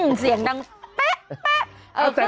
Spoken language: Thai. อืมเสียงดังแป๊ะแป๊ะ